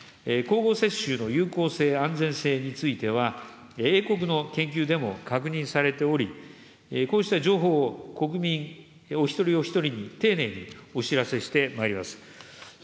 交互接種の有効性、安全性については、英国の研究でも確認されており、こうした情報を国民お一人お一人に丁寧にお知らせしてまいります。